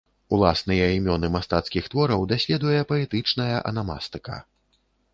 Уласныя імёны мастацкіх твораў даследуе паэтычная анамастыка.